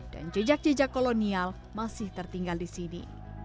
dan jejak jejak kolonial masih tertinggal di sini